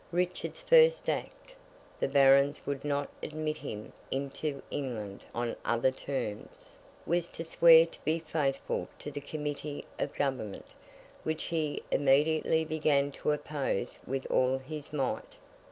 Richard's first act (the Barons would not admit him into England on other terms) was to swear to be faithful to the Committee of Government—which he immediately began to oppose with all his might.